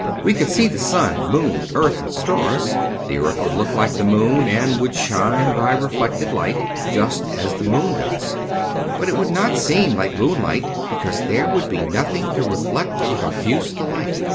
We could see the sun, moon, earth, and stars. The earth would look like the moon, and would shine by reflected light, just as the moon does. But it would not seem like moonlight, because there would be nothing to reflect or diffuse the light.